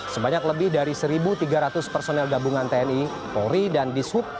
sebanyak lebih dari satu tiga ratus personel gabungan tni polri dan dishub